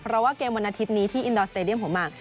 เพราะว่าเกมวันอาทิตย์นี้ที่อินดอร์สเตดียมหัวหมาก